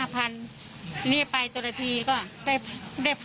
ที่นี่ไปตัวแต่ทีก็ได้๑๐๐๐เดียว